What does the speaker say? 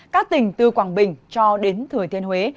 các tỉnh từ quảng bình cho đến thừa thiên huế